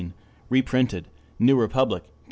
Reprinted, New Republic, Dec.